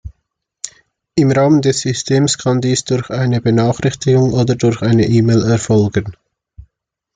Im Rahmen des Systems kann dies durch eine Benachrichtigung oder durch eine E-Mail erfolgen.